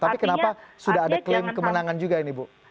tapi kenapa sudah ada klaim kemenangan juga ini bu